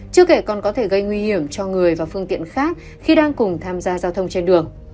chưa kể còn có thể gây nguy hiểm cho người và phương tiện khác khi đang cùng tham gia giao thông trên đường